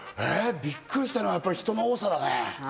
びっくりしたのはやっぱり人の多さだね。